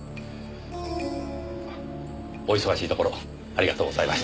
お忙しいところありがとうございました。